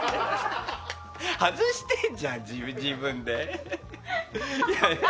外してるじゃん、自分で。